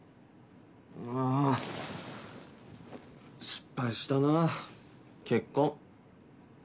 失敗したな、結婚。